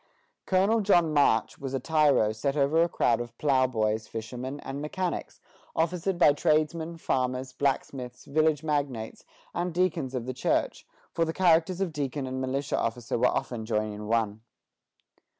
Colonel John March was a tyro set over a crowd of ploughboys, fishermen, and mechanics, officered by tradesmen, farmers, blacksmiths, village magnates, and deacons of the church, for the characters of deacon and militia officer were often joined in one.